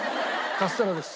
カステラです。